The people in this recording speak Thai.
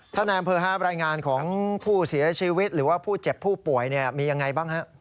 นายอำเภอครับรายงานของผู้เสียชีวิตหรือว่าผู้เจ็บผู้ป่วยมียังไงบ้างฮะ